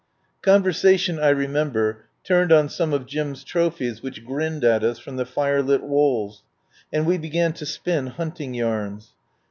Conversation, I remember, turned on some of Jim's trophies which grinned at us from the firelit walls, and we began to spin hunting yarns.